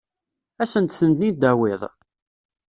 Ad asent-ten-id-tawiḍ?